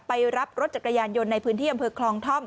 ไปรับรถจักรยานยนต์ในพื้นที่อำเภอคลองท่อม